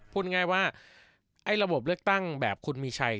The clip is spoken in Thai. พูดง่ายว่าไอ้ระบบเลือกตั้งแบบคุณมีชัย